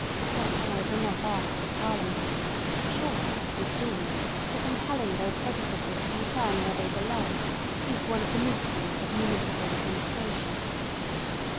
Why powers are not asked of Parliament (a short act would do) for compelling those edifices to return where they belong is one of the mysteries of municipal administration.